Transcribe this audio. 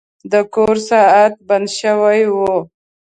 د کور ساعت بند شوی و.